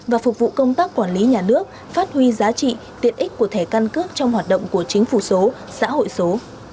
và phục vụ công tác quản lý nhà nước phát huy giá trị tiện ích của thẻ căn cước trong hoạt động của chính phủ số xã hội số